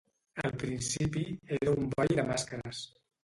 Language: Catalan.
Al principi era un ball de màscares.